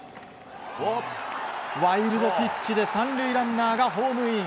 ワイルドピッチで３塁ランナーがホームイン。